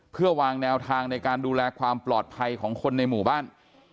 เพื่อวางแนวทางในการดูแลความปลอดภัยของคนในหมู่บ้าน